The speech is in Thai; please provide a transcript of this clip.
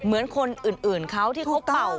เหมือนคนอื่นเขาที่เขาเป่า